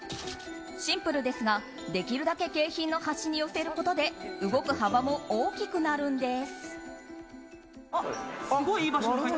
シンプルですが、できるだけ景品の端に寄せることで動く幅も大きくなるんです。